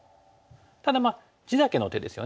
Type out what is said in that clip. ただまあ地だけの手ですよね。